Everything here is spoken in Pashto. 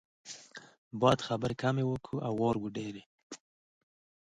مونږ باید کم وغږیږو او زیات واورو